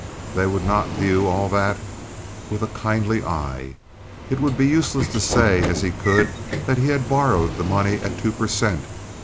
They would not view all that with a kindly eye. It would be useless to say, as he could, that he had borrowed the money at two per cent.